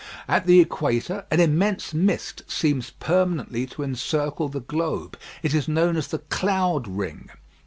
At the equator, an immense mist seems permanently to encircle the globe. It is known as the cloud ring.